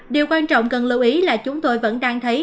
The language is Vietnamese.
điều quan trọng cần lưu ý là chúng tôi vẫn đang thấy